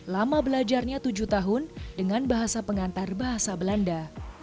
lama belajarnya tujuh tahun dengan bahasa pengantar bahasa belanda